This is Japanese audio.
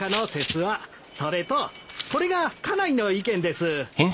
それとこれが家内の意見です。